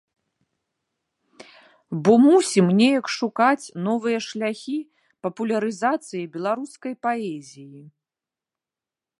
Бо мусім неяк шукаць новыя шляхі папулярызацыі беларускай паэзіі.